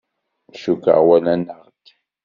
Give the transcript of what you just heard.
Cukkeɣ walan-aɣ-d.